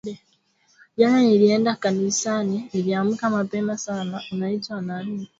Jana nilenda kanisani Niliamka mapema sana Unaitwa nani?